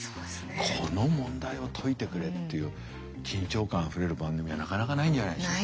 この問題を解いてくれっていう緊張感あふれる番組はなかなかないんじゃないでしょうか。